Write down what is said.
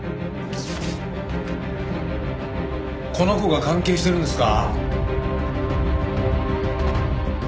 この子が関係してるんですか？